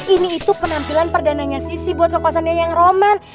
ini itu penampilan perdananya sissy buat kekuasanya yang roman